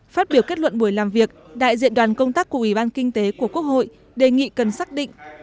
phát biểu kết luận buổi làm việc đại diện đoàn công tác của ủy ban kinh tế của quốc hội đề nghị cần xác định